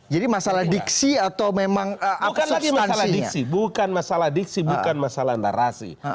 jadi masalah diksi atau memang apa bukan masalah diksi bukan masalah diksi bukan masalah narasi